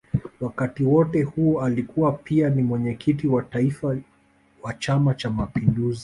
Wakati wote huo alikuwa pia ni Mwenyekiti wa Taifa wa Chama cha Mapinduzi